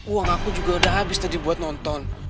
uang aku juga udah habis tadi buat nonton